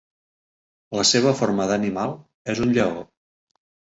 La seva forma d'animal és un lleó.